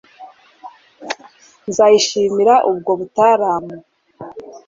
Nzayishimire ubwo butaramu